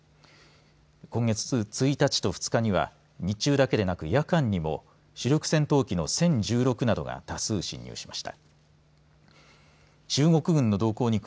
今月１日と２日には日中だけでなく夜間にも主力戦闘機の殲１６などが多数、進入しました。